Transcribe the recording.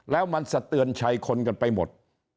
แล้วมันสะเตือนชัยคนกันไปหมด